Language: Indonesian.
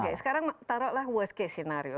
oke sekarang taruh lah worst case scenario